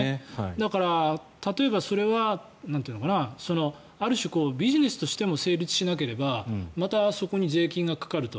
だから、例えばそれはある種、ビジネスとしても成立しなければまたそこに税金がかかると。